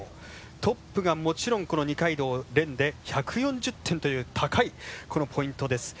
トップが、もちろん二階堂蓮で１４０点という高い、このポイントです。